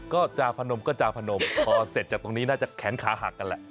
จาพนมก็จะพนมพอเสร็จจากตรงนี้น่าจะแขนขาหักกันแหละ